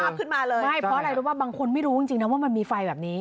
ขึ้นมาเลยไม่เพราะอะไรรู้ป่ะบางคนไม่รู้จริงจริงนะว่ามันมีไฟแบบนี้